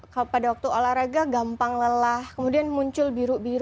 kalau pada waktu olahraga gampang lelah kemudian muncul biru biru